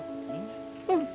うん。